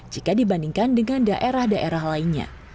jika dibandingkan dengan daerah daerah lainnya